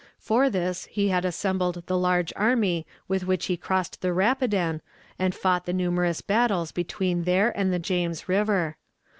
For this he had assembled the large army with which he crossed the Rapidan and fought the numerous battles between there and the James River.